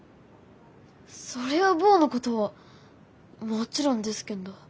そりゃ坊のことはもちろんですけんど。